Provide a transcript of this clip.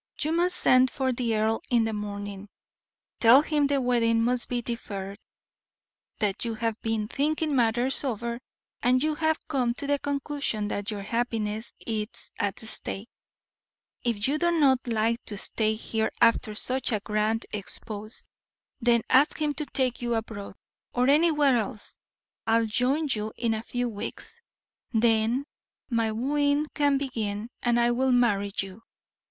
You must send for the earl in the morning; tell him the wedding must be deferred, that you have been thinking matters over, and you have come to the conclusion that your happiness is at stake. If you do not like to stay here after such a grand expose, then ask him to take you abroad, or anywhere else. I will join you in a few weeks. Then my wooing can begin, and I will marry you."